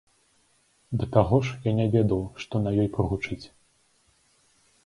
Да таго ж, я не ведаў, што на ёй прагучыць.